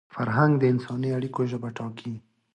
فرهنګ د انساني اړیکو ژبه ټاکي.